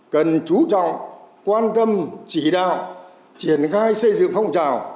phong trào quan tâm chỉ đạo triển khai xây dựng phong trào